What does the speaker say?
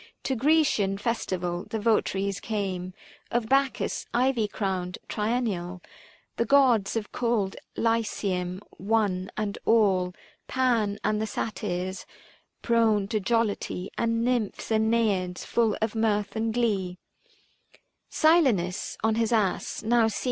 To Grecian festival the votaries came, Of Bacchus ivy crowned triennial. 425 The gods of cold Lycseum one and all ; Pan and the Satyrs, prone to jollity ; And Nymphs and Naiads full of mirth and glee ; Book I.